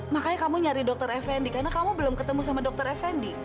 makanya kamu nyari dokter effendi karena kamu belum ketemu sama dokter effendi